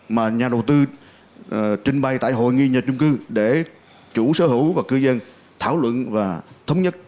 mà nhà đầu tư trình bày tại hội nghị nhà chung cư để chủ sở hữu và cư dân thảo luận và thống nhất